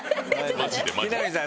木南さん